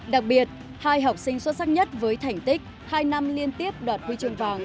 đặc biệt hai học sinh xuất sắc nhất với thành tích hai năm liên tiếp đoạt huy chương vàng